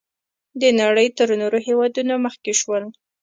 د نړۍ تر نورو هېوادونو مخکې شول.